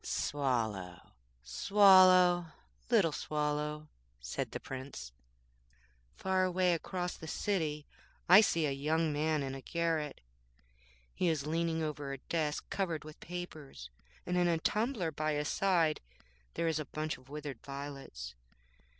'Swallow, Swallow, little Swallow,' said the Prince,'far away across the city I see a young man in a garret. He is leaning over a desk covered with papers, and in a tumbler by his side there is a bunch of withered violets.